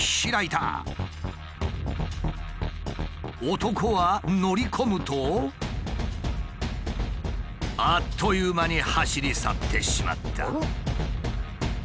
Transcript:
男は乗り込むとあっという間に走り去ってしまった。